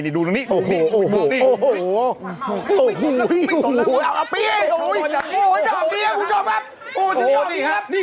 นี่ดูตรงนี้ดูนี่